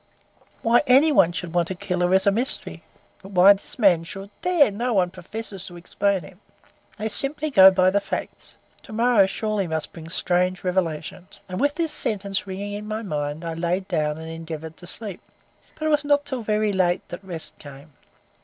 Why any one should want to kill her is a mystery; but why this man should There! no one professes to explain it. They simply go by the facts. To morrow surely must bring strange revelations." And with this sentence ringing in my mind, I lay down and endeavoured to sleep. But it was not till very late that rest came.